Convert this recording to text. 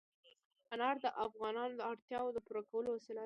انار د افغانانو د اړتیاوو د پوره کولو وسیله ده.